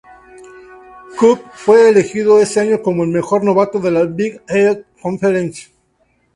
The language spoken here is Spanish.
Cook fue elegido ese año como el mejor novato de la Big Eight Conference.